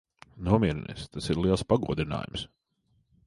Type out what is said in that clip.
Nomierinies. Tas ir liels pagodinājums.